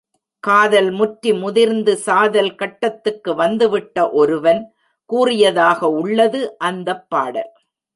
காதல் முற்றி முதிர்ந்து சாதல் கட்டத்துக்கு வந்துவிட்ட ஒருவன் கூறியதாக உள்ளது அந்தப் பாடல்.